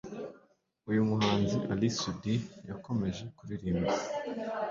Uyu muhanzi Ally Soudy yakomeje kuririmba